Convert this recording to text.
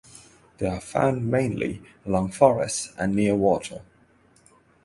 They are found mainly along forests and near water.